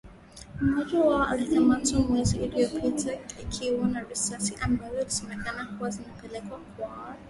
Mmoja wao alikamatwa mwezi uliopita akiwa na risasi ambazo inasemekana alikuwa akizipeleka kwa wanamgambo wa CODECO katika mkoa wa Kobu